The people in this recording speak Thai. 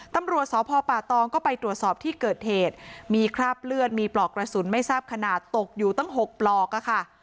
ตำรวจสพป่าตองก็ไปตรวจสอบที่เกิดเหตุมีคราบเลือดมีปลอกกระสุนไม่ทราบขนาดตกอยู่ตั้ง๖ปลอกอะค่ะ